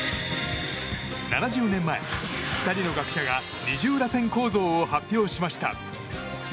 ７０年前、２人の学者が二重らせん構造を発表しました。